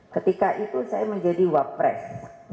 ketika itu saya menjadi wapres